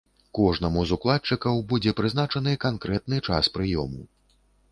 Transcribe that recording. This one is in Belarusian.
Кожнаму з укладчыкаў будзе прызначаны канкрэтны час прыёму.